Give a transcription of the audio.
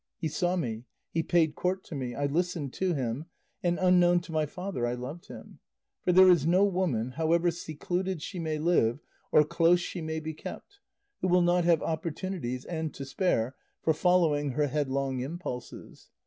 He saw me, he paid court to me, I listened to him, and, unknown to my father, I loved him; for there is no woman, however secluded she may live or close she may be kept, who will not have opportunities and to spare for following her headlong impulses.